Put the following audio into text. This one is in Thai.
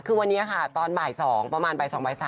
คือวันนี้ค่ะตอนบ่าย๒ประมาณบ่าย๒บ่าย๓